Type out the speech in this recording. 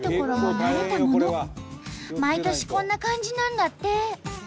毎年こんな感じなんだって。